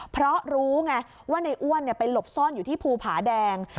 เพราะรู้ไงว่าในอ้วนไปหลบซ่อนอยู่ที่ภูผาแดง